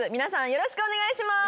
よろしくお願いします。